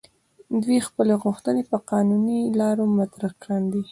دوی خپلې غوښتنې په قانوني لارو مطرح کاندي.